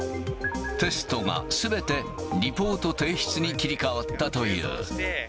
テストがすべてリポート提出に切り替わったという。